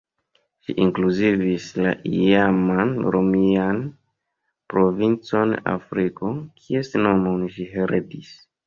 Ĝi inkluzivis la iaman romian provincon Afriko, kies nomon ĝi heredis.